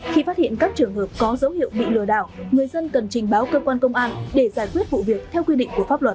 khi phát hiện các trường hợp có dấu hiệu bị lừa đảo người dân cần trình báo cơ quan công an để giải quyết vụ việc theo quy định của pháp luật